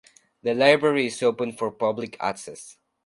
The library is open for public access.